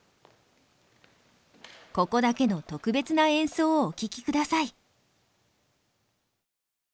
ここだけの特別な演奏をお聴きください。